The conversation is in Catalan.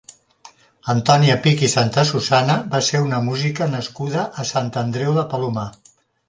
Antònia Pich i Santasusana va ser una música nascuda a Sant Andreu de Palomar.